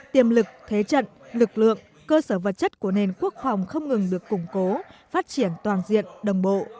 tiềm lực thế trận lực lượng cơ sở vật chất của nền quốc phòng không ngừng được củng cố phát triển toàn diện đồng bộ